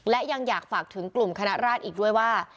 และยังอยากฝากถึงกลุ่มคณะราชอีกด้วยว่า